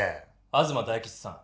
東大吉さん。